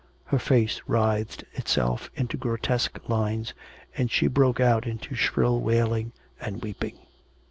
Her face writhed itself again into grotesque lines, and she broke out into shrill wailing and weeping.